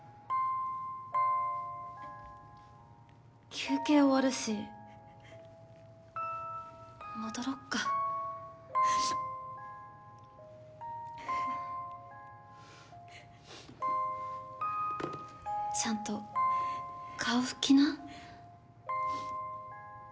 休憩終わるし戻ろっか。ちゃんと顔拭きな。